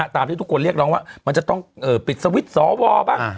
ตามที่ทุกคนเรียกร้องว่ามันจะต้องปิดสวิตช์สวบ้าง